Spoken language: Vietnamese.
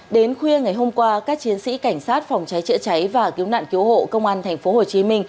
đến khuya ngày hôm qua các chiến sĩ cảnh sát phòng cháy chữa cháy và cứu nạn cứu hộ công an tp hcm